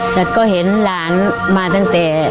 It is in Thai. ฉันก็เห็นหลานมาตั้งแต่